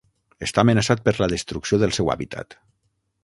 Està amenaçat per la destrucció del seu hàbitat.